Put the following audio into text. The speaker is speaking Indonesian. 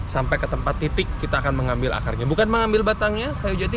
sampai ke tempat titik kita akan mengambil akarnya bukan mengambil batangnya kayu jati